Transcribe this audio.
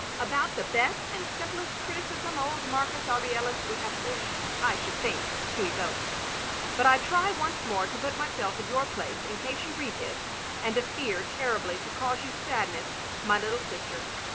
* About the best and simplest criticism old Marcus Aurelius would have wished, I should think, to evoke. But I try once more to put myself in your place in case you read this, and fear terribly to cause you sadness, my little sister.